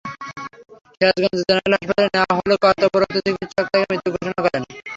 Sirajganj general হাসপাতালে নেওয়া হলে কর্তব্যরত চিকিৎসক তাঁকে মৃত ঘোষণা করেন।